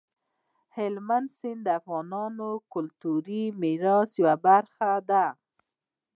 هلمند سیند د افغانستان د کلتوري میراث یوه برخه ده.